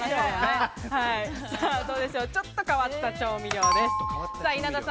ちょっと変わった調味料です。